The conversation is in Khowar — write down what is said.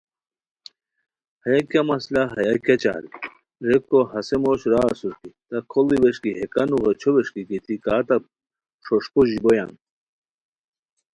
ہیہ کیہ مسئلہ ہیہ کیہ چال؟ ریکو ہسے موش را اسور کی تہ کھوڑی ویݰکی ہے کانو غیچھو ویݰکی گیتی کا تہ ݰوݰپو ژیبویان